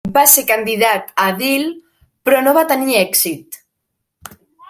Va ser candidat a edil, però no va tenir èxit.